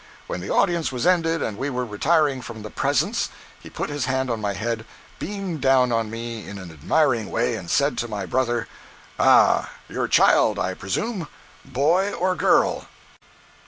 When the audience was ended and we were retiring from the presence, he put his hand on my head, beamed down on me in an admiring way and said to my brother: "Ah—your child, I presume? Boy, or girl?"